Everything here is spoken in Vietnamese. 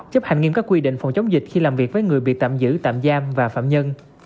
chấp hành nghiêm các quy định phòng chống dịch khi làm việc với người bị tạm giữ tạm giam và phạm nhân